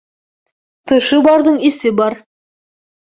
Тышы барҙың эсе бар.